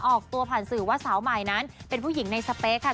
ออกตัวผ่านสื่อว่าสาวใหม่นั้นเป็นผู้หญิงในสเปคค่ะ